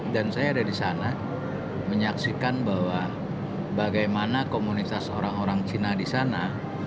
dan saya ada di sana menyaksikan bahwa bagaimana komunitas orang orang cina di sana